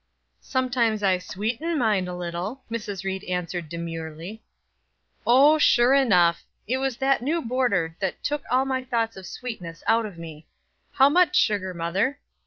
"Sometimes I sweeten mine a little," Mrs. Ried answered demurely. "Oh, sure enough; it was that new boarder that took all thoughts of sweetness out of me. How much sugar, mother?